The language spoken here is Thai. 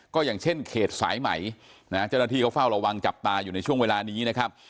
ก็อย่างเช่นเขตสายไหมเจ้าหน้าที่เขาเฝ้าระวังจับตาอยู่ในช่วงเวลานี้นะครับ